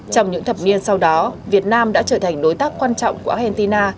trong những thập niên sau đó việt nam đã trở thành đối tác quan trọng của argentina